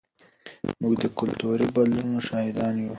موږ د کلتوري بدلونونو شاهدان یو.